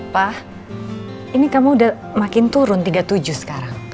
pak ini kamu udah makin turun tiga puluh tujuh sekarang